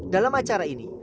dalam acara ini